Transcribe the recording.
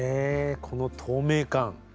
この透明感。